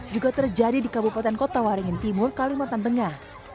juga terjadi di kabupaten kota waringin timur kalimantan tengah